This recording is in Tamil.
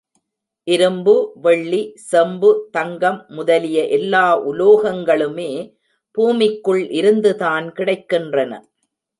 இரும்பு, வெள்ளி, செம்பு, தங்கம் முதலிய எல்லா உலோகங்களுமே பூமிக்குள் இருந்துதான் கிடைக்கின்றன.